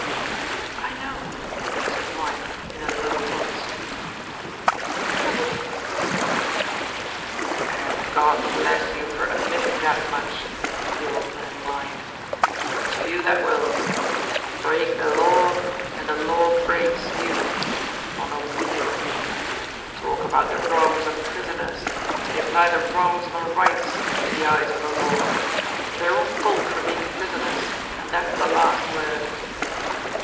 "I know," said Moya in a low voice. "It is terrible to think of!" "And God bless you for admitting that much," the old man whined, "for it's few that will. Break the law, and the law breaks you on a wheel! Talk about the wrongs of prisoners; they have neither wrongs nor rights in the eyes of the law; it's their own fault for being prisoners, and that's the last word."